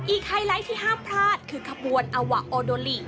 ไฮไลท์ที่ห้ามพลาดคือขบวนอวะโอโดลิ